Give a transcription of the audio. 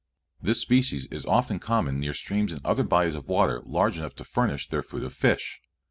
This species is often common near streams and other bodies of water large enough to furnish their food of fish.